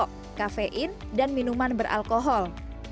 jangan lupa menggunakan kafein dan minuman beralkohol